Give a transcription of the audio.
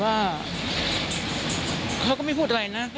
ว่าไหนจะได้คุณค่ะ